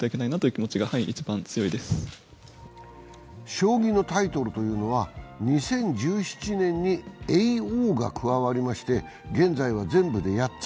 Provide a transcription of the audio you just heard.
将棋のタイトルというのは２０１７年に叡王が加わりまして現在は全部で８つ。